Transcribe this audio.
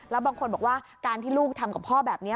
แล้วบางคนบอกว่าการที่ลูกทำกับพ่อแบบนี้